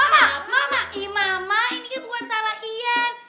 eh mama ini kan bukan salah ian